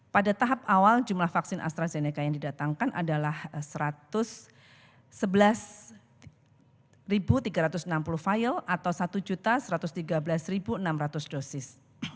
pada tahap awal jumlah vaksin astrazeneca yang didatangkan adalah satu ratus sebelas tiga ratus enam puluh vial atau satu satu ratus tiga belas enam ratus dosis